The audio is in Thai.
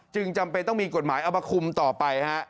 จำเป็นต้องมีกฎหมายเอามาคุมต่อไปฮะ